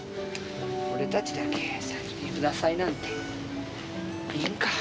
俺たちだけ先に下さいなんて言えんか。